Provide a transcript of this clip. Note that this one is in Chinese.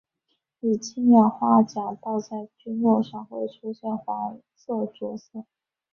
以氢氧化钾倒在菌肉上会出现黄色着色。